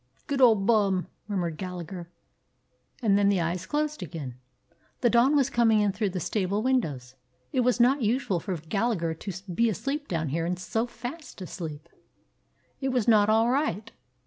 "Good old Bum!" murmured Gallagher, and then the eyes closed again. The dawn was coming in through the stable windows. It was not usual for Gallagher to be asleep down here, and so fast asleep. It was not all right.